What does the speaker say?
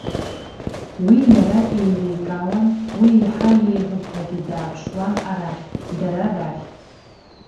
Уи иара иеиликаауан, уи иаҳа еиӷьуп ҳәагьы дааԥшуан арахь, дара рахь.